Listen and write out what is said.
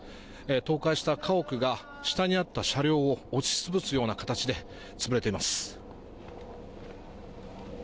倒壊した家屋が下にあった車両を押し潰すような形で潰れています。